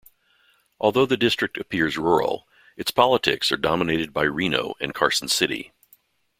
Although the district appears rural, its politics are dominated by Reno and Carson City.